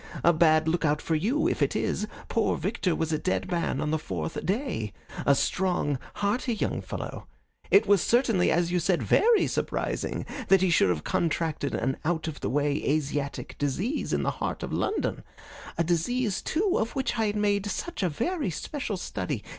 A bad lookout for you if it is. Poor Victor was a dead man on the fourth day a strong, hearty young fellow. It was certainly, as you said, very surprising that he should have contracted an out of the way Asiatic disease in the heart of London a disease, too, of which I had made such a very special study.